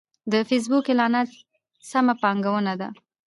د فېسبوک اعلانات سمه پانګونه ده.